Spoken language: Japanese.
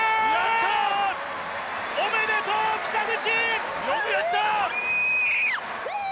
おめでとう北口！